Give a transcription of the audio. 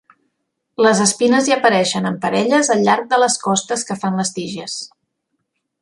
Les espines hi apareixen en parelles al llarg de les costes que fan les tiges.